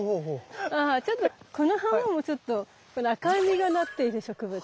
あちょっとこの花もちょっとこの赤い実がなっている植物。